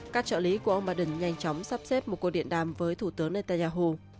các trợ lý của ông biden nhanh chóng sắp xếp một cuộc điện đàm với thủ tướng netanyahu